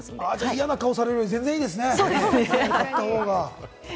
嫌な顔されるより全然いいですね、買ったほうが。